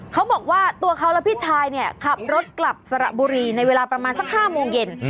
เขาบอกว่าตัวเขาและพี่ชายเนี่ยขับรถกลับสระบุรีในเวลาประมาณสัก๕โมงเย็น